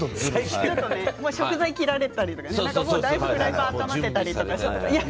食材を切られたりとかもうフライパンが温まっていたりとか。